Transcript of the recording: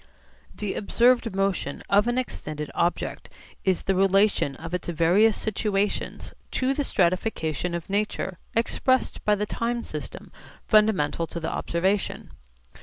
The observed motion of an extended object is the relation of its various situations to the stratification of nature expressed by the time system fundamental to the observation.